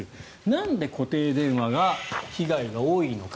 なんで固定電話が被害が多いのか。